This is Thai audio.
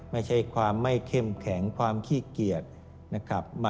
ไม่ใช่ความไม่เข้มแข็งความขี้เกียจนะครับ